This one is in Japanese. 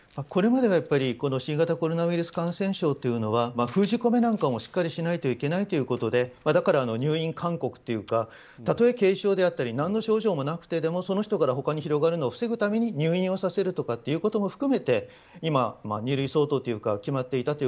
これまでは新型コロナウイルス感染症は封じ込めなどもしっかりしなければいけないということでだから入院勧告とかたとえ軽症であったり何の症状がなくてもその人から他の人に広がるのを防ぐために入院をさせることも含めて二類相当というか。